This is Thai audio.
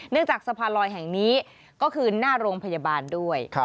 จากสะพานลอยแห่งนี้ก็คือหน้าโรงพยาบาลด้วย